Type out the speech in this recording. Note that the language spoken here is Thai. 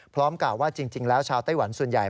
กล่าวว่าจริงแล้วชาวไต้หวันส่วนใหญ่